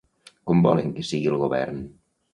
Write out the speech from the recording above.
Com volen que sigui el govern?